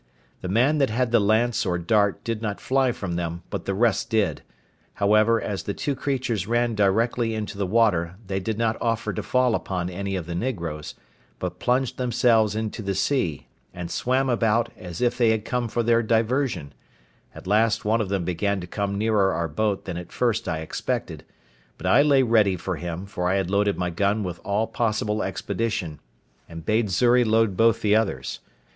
The man that had the lance or dart did not fly from them, but the rest did; however, as the two creatures ran directly into the water, they did not offer to fall upon any of the negroes, but plunged themselves into the sea, and swam about, as if they had come for their diversion; at last one of them began to come nearer our boat than at first I expected; but I lay ready for him, for I had loaded my gun with all possible expedition, and bade Xury load both the others.